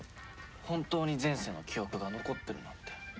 本当に前世の記憶が残ってるなんて。